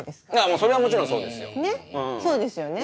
それはもちろんそうですよ。ね？